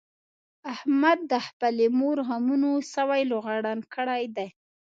احمد د خپلې مور غمونو سوی لوغړن کړی دی.